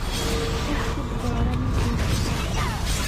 اس کو دبّارہ نیں ٹھیک کیتا۔